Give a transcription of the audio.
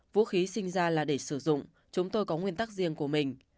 vũ khí sinh ra là để sử dụng chúng tôi có nguyên tắc riêng của mình